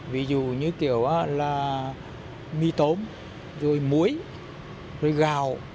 ví dụ như kiểu là mì tôm rồi muối rồi gạo